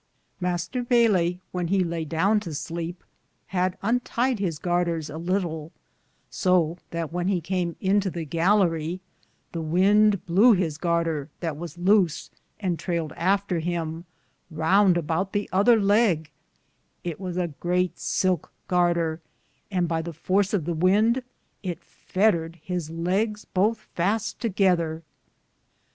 Mr. Baylle, when he lay downe to sleepe, had untied his garters a litle, so that when he came into the gallarie, the wynde blew his garter, that was louse and trayled after him, rounde aboute the other legge ; it was a greate silke garter, and by the force of the wynde it fettered his legges bothe faste to gether.